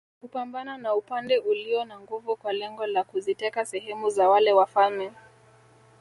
Kupambana na upande ulio na nguvu kwa lengo la kuziteka sehemu za wale wafalme